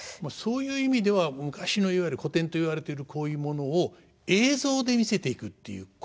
そういう意味では昔のいわゆる古典といわれているこういうものを映像で見せていくっていう。